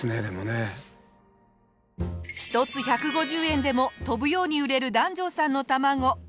１つ１５０円でも飛ぶように売れる檀上さんのたまご。